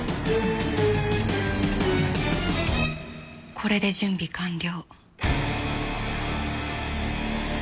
これで準備完了。